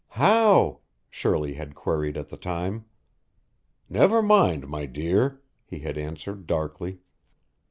"How?" Shirley had queried at the time. "Never mind, my dear," he had answered darkly.